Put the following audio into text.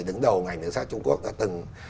đứng đầu ngành đường sắt trung quốc đã từng